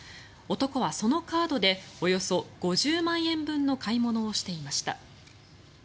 男はそのカードでおよそ５０万円分の買い物をしていました。